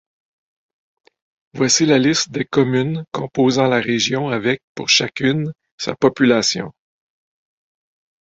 Voici la liste des communes composant la région avec, pour chacune, sa population.